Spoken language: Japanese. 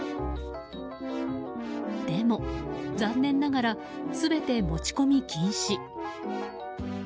でも、残念ながら全て持ち込み禁止。